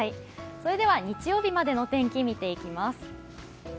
それでは日曜日までのお天気、見ていきます。